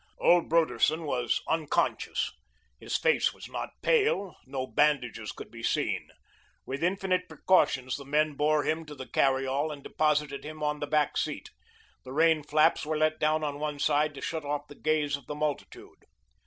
Old Broderson was unconscious. His face was not pale, no bandages could be seen. With infinite precautions, the men bore him to the carry all and deposited him on the back seat; the rain flaps were let down on one side to shut off the gaze of the multitude.